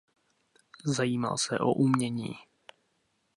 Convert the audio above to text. Zajímal se o umění.